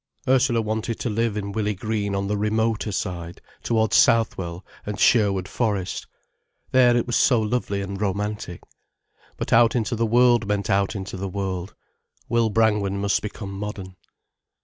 Ursula wanted to live in Willey Green on the remoter side, towards Southwell, and Sherwood Forest. There it was so lovely and romantic. But out into the world meant out into the world. Will Brangwen must become modern.